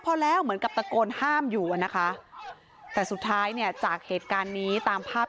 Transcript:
พอแล้วเหมือนกับตะโกนห้ามอยู่อ่ะนะคะแต่สุดท้ายเนี่ยจากเหตุการณ์นี้ตามภาพ